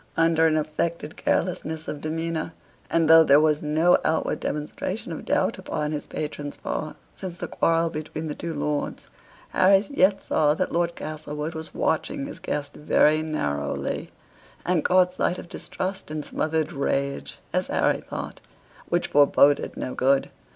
Under an affected carelessness of demeanor, and though there was no outward demonstration of doubt upon his patron's part since the quarrel between the two lords, Harry yet saw that Lord Castlewood was watching his guest very narrowly; and caught sight of distrust and smothered rage (as Harry thought) which foreboded no good.